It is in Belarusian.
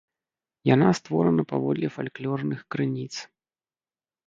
Яна створана паводле фальклорных крыніц.